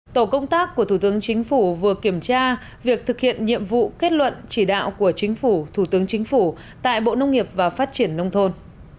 tổ công tác của thủ tướng chính phủ vừa kiểm tra việc thực hiện nhiệm vụ kết luận chỉ đạo của chính phủ thủ tướng chính phủ tại bộ nông nghiệp và phát triển nông thôn